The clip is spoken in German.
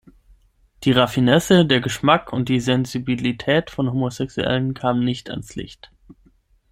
Die Raffinesse, der Geschmack und die Sensibilität von Homosexuellen kamen nicht ans Licht.